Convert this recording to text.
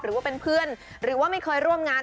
หรือว่าเป็นเพื่อนหรือว่าไม่เคยร่วมงาน